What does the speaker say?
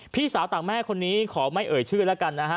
พี่สาวต่างแม่คนนี้ขอไม่เอ่ยชื่อแล้วกันนะฮะ